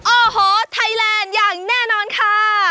โอ้โหไทยแลนด์อย่างแน่นอนค่ะ